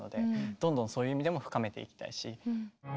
どんどんそういう意味でも深めていきたいし。